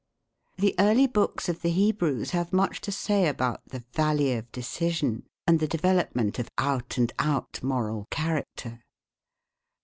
The early books of the Hebrews have much to say about "The Valley of Decision" and the development of "Out and Out" moral character.